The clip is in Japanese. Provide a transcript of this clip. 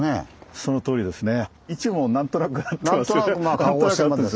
そのとおりですね。